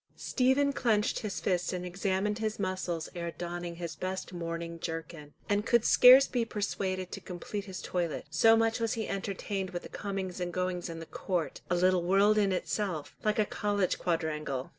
Stephen clenched his fist and examined his muscles ere donning his best mourning jerkin, and could scarce be persuaded to complete his toilet, so much was he entertained with the comings and goings in the court, a little world in itself, like a college quadrangle.